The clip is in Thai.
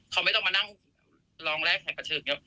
เขาไม่ต้องมานั่งลองแรกแห่งประเทศ